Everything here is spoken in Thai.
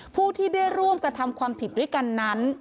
ผู้ที่ได้ร่วมกระทำความผิดด้วยกันนั้น